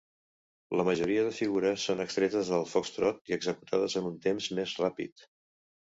La majoria de figures són extretes del foxtrot i executades en un temps més ràpid.